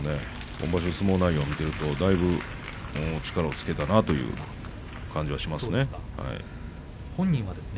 今場所、相撲内容を見てるとだいぶ力をつけたなという感じがしますね。